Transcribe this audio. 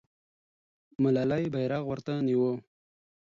ملالۍ بیرغ ورته نیوه.